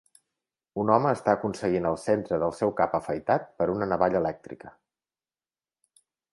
Un home està aconseguint el centre del seu cap afaitat per una navalla elèctrica